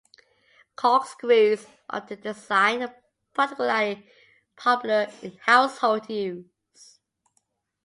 Corkscrews of this design are particularly popular in household use.